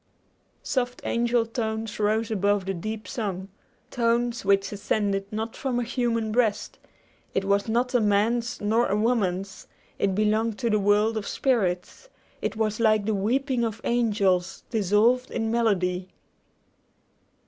Soft angel tones rose above the deep song, tones which ascended not from a human breast: it was not a man's nor a woman's; it belonged to the world of spirits; it was like the weeping of angels dissolved in melody.